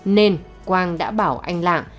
nên quang đã bảo anh lạng